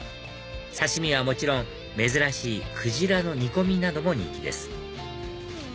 刺し身はもちろん珍しいクジラの煮込みなども人気です